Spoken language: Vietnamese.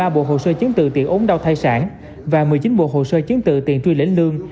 một mươi ba bộ hồ sơ chứng tự tiền ống đau thai sản và một mươi chín bộ hồ sơ chứng tự tiền truy lễ lương